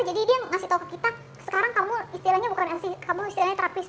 jadi dia ngasih tahu ke kita sekarang kamu istilahnya bukan asli kamu istilahnya terapis